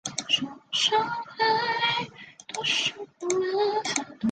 日梅尔斯基在华沙担任波兰军行政副主任。